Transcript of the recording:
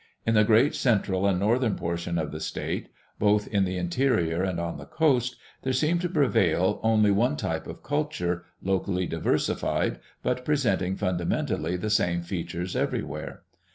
In the great central and northern portion of the state, both in the interior and on the coast, there seems to prevail only one type of culture, locally diversified but presenting fundamentally the same features everywhere.